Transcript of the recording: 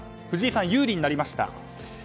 藤井さん、有利になりました。